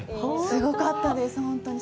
すごかったです、本当に。